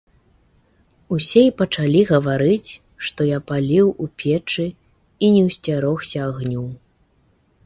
Усе і пачалі гаварыць, што я паліў у печы і не ўсцярогся агню.